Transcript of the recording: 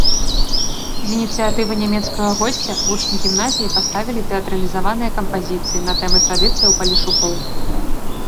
З ініцыятывы нямецкага госця вучні гімназіі паставілі тэатралізаваныя кампазіцыі на тэмы традыцыяў палешукоў.